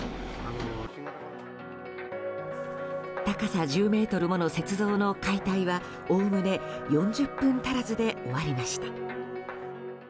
高さ１０ｍもの雪像の解体はおおむね４０分足らずで終わりました。